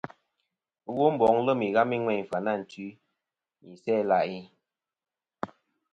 Womboŋ lem ighami ŋweyn Fyanantwi, nɨ Isæ-ila'i.